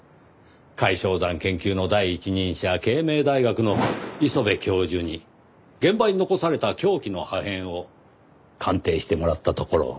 櫂象仙研究の第一人者慶明大学の磯部教授に現場に残された凶器の破片を鑑定してもらったところ。